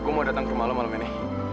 gue mau datang ke rumah lo malam ini